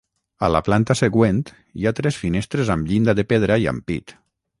A la planta següent hi ha tres finestres amb llinda de pedra i ampit.